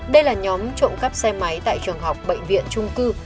đây là nhóm trộm cắp xe máy tại trường học bệnh viện trung cư